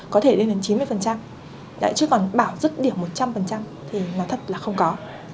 có thể lên đến chín mươi chứ còn bảo dứt điểm một trăm linh thì nó thật là không có